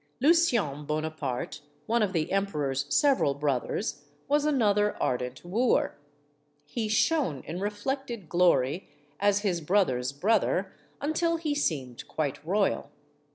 Lucien Bonaparte, one of the emperor's several brothers, was another ardent wooer. He shone in reflected glory, as his brother's brother, until he seemed quite royal.